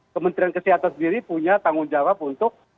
kementerian kesehatan sendiri punya tanggung jawab untuk